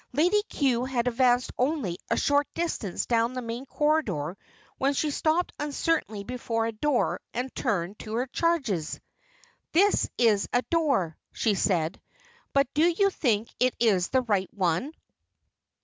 Lady Cue had advanced only a short distance down the main corridor when she stopped uncertainly before a door and turned to her charges. "This is a door," she said, "but do you think it is the right one?"